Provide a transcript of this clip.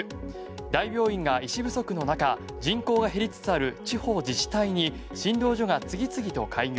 大病院が医師不足の中人口が減りつつある地方自治体に診療所が次々と開業。